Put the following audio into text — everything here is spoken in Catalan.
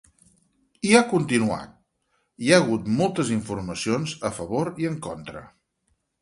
I ha continuat: Hi ha hagut moltes informacions a favor i en contra.